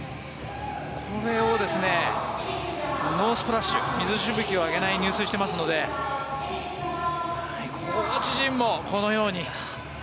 これをノースプラッシュ水しぶきを上げずに入水してますのでコーチ陣もこのように。